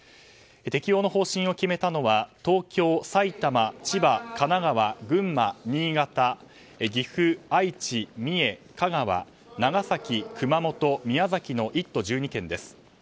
適用の方針を決めたのは東京、埼玉千葉、神奈川、群馬、新潟岐阜、愛知、三重、香川長崎、熊本、宮崎の１都１２県です。